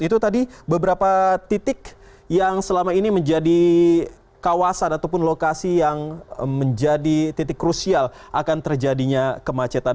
itu tadi beberapa titik yang selama ini menjadi kawasan ataupun lokasi yang menjadi titik krusial akan terjadinya kemacetan